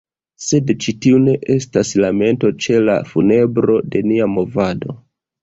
Sed ĉi tiu ne estas lamento ĉe la funebro de nia movado.